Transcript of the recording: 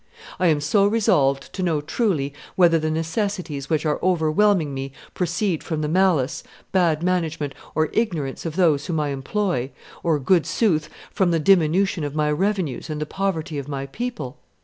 ... I am resolved to know truly whether the necessities which are overwhelming me proceed from the malice, bad management, or ignorance of those whom I employ, or, good sooth, from the diminution of my revenues and the poverty of my people.